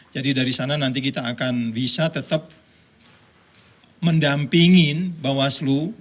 jadi dari sana nanti kita akan bisa tetap mendampingi bawaslu